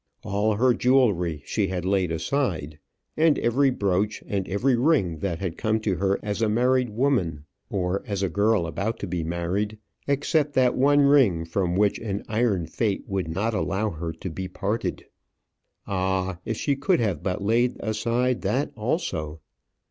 All her jewelry she had laid aside, and every brooch, and every ring that had come to her as a married woman, or as a girl about to be married except that one ring from which an iron fate would not allow her to be parted. Ah, if she could but have laid aside that also!